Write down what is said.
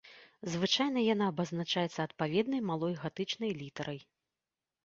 Звычайна яна абазначаецца адпаведнай малой гатычнай літарай.